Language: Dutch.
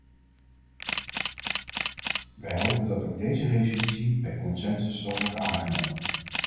Wij hopen dat ook deze resolutie bij consensus zal worden aangenomen.